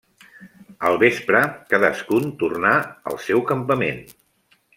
Al vespre, cadascun tornà al seu campament.